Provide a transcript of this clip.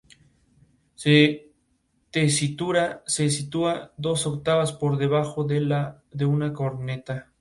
Las horas de sol son bastantes reducidas, otro rasgo típico del clima marítimo.